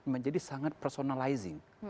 menjadi sangat personalizing